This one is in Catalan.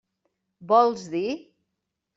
Vols dir?